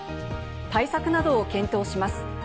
対策などを検討します。